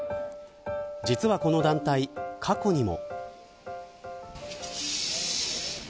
実はこの団体、過去にも。